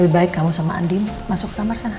lebih baik kamu sama andi masuk ke kamar sana